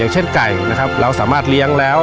เช่นไข่เราสามารถเลี้ยงแล้ว